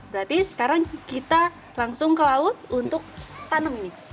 berarti sekarang kita langsung ke laut untuk tanam ini